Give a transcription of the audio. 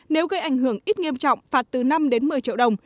nếu gây ảnh hưởng ít nghiêm trọng phạt từ năm đến một mươi triệu đồng